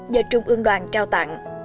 do trung ương đoàn trao tặng